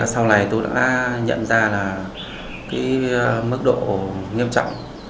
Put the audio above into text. sau này tôi đã nhận ra là mức độ nghiêm trọng